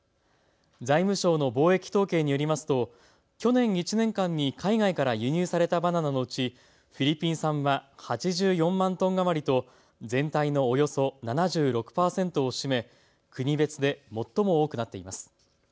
財務省の貿易統計によりますと去年１年間に海外から輸入されたバナナのうちフィリピン産は８４万トン余りと全体のおよそ７６％を占め国別で最も多くなっています。